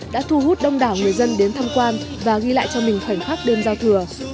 đã thu hút đông đảo người dân đến tham quan và ghi lại cho mình khoảnh khắc đêm giao thừa